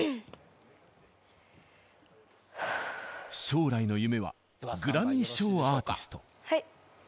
将来の夢はグラミー賞アーティスト。